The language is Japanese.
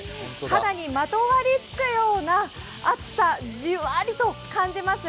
肌にまとわりつくような暑さ、じわりと感じます。